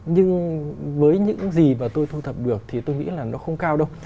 nhưng với những gì mà tôi thu thập được thì tôi nghĩ là nó không cao đâu